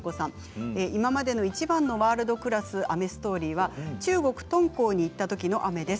今までのいちばんのワールドクラス雨ストーリーは中国敦煌に行ったときの雨です。